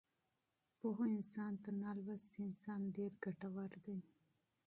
پوه انسان تر نالوستي انسان ډېر ګټور دی.